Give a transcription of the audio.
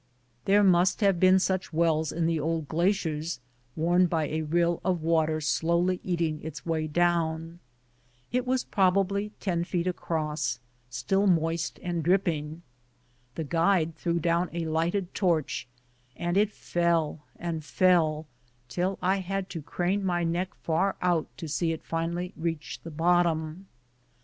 There must have been such wells in the old glaciers, worn by a rill of water slowly eating its way down. It was probably ten feet across, still moist and dripping. The guide threw down a lighted torch, and it fell and fell, till I had to crane my neck far out to see it finally reach the bot tom.